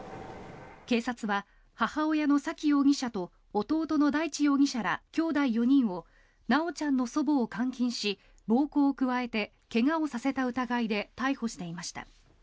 警察は母親の沙喜容疑者と弟の大地容疑者らきょうだい４人を修ちゃんの祖母を監禁し暴行を加えて怪我をさせた疑いで逮捕していました。